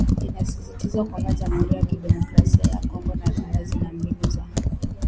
Inasisitizwa kwamba Jamuhuri ya Kidemokrasia ya Kongo na Rwanda zina mbinu za